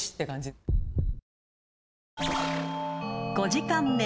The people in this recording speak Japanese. ［５時間目］